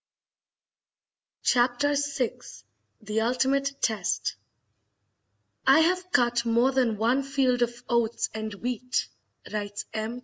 Chapter VI The Ultimate Test "I have cut more than one field of oats and wheat," writes M.